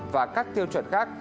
và các tiêu chuẩn khác